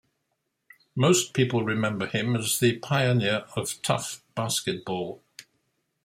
Most people remember him as the pioneer of tough basketball.